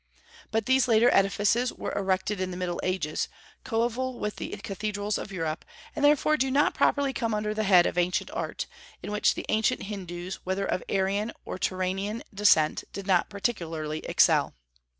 But these later edifices were erected in the Middle Ages, coeval with the cathedrals of Europe, and therefore do not properly come under the head of ancient art, in which the ancient Hindus, whether of Aryan or Turanian descent, did not particularly excel.